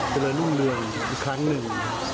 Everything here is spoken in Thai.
ขอให้เรานุ่มเรื่องอีกครั้งหนึ่ง